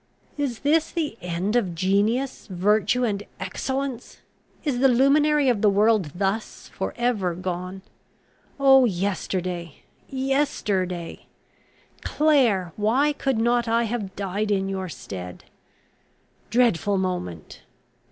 "Is this the end of genius, virtue, and excellence? Is the luminary of the world thus for ever gone? Oh, yesterday! yesterday! Clare, why could not I have died in your stead? Dreadful moment!